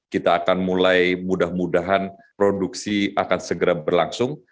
kita akan mulai mudah mudahan produksi akan segera berlangsung